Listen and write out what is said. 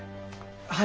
はい。